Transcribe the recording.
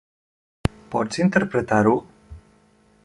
Pots interpretar-ho?